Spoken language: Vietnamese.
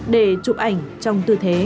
để chụp ảnh trong tư thế